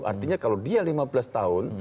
artinya kalau dia lima belas tahun